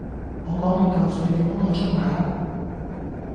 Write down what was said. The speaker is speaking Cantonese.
我嗰五嚿水你幫我出埋啦